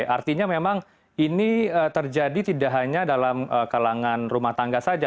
artinya memang ini terjadi tidak hanya dalam kalangan rumah tangga saja